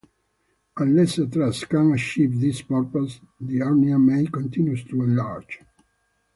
Unless a truss can achieve this purpose, the hernia may continue to enlarge.